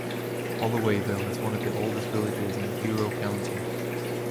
Hollowayville is one of the oldest villages in Bureau County.